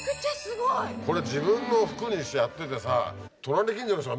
これ自分の服にやっててさ。